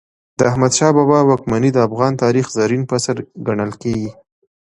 د احمد شاه بابا واکمني د افغان تاریخ زرین فصل ګڼل کېږي.